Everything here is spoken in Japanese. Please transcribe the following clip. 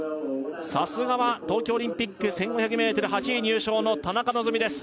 さすがは東京オリンピック１５００ｍ８位入賞の田中希実です